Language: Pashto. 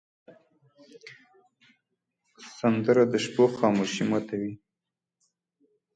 سندره د شپو خاموشي ماتوې